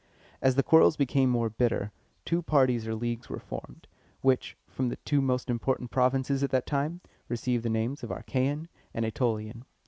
As the quarrels became more bitter, two parties or leagues were formed, which, from the two most important provinces at that time, received the names of Achæan and Æ to´li an.